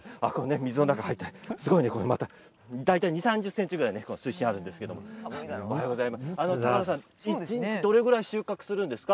水の中に入って大体２０ｃｍ３０ｃｍぐらい水深があるんですけれども一日どれくらい収穫するんですか。